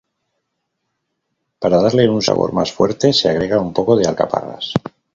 Para darle un sabor más fuerte se agrega un poco de alcaparras.